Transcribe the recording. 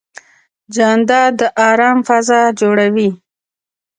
جانداد د ارام فضا جوړوي.